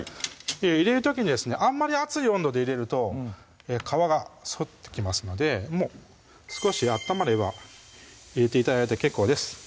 入れる時にですねあんまり熱い温度で入れると皮が反ってきますので少し温まれば入れて頂いて結構です